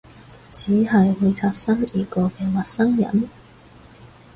只係會擦身而過嘅陌生人？